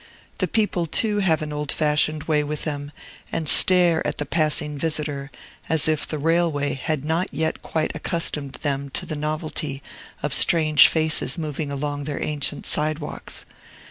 The people, too, have an old fashioned way with them, and stare at the passing visitor, as if the railway had not yet quite accustomed them to the novelty of strange faces moving along their ancient sidewalks.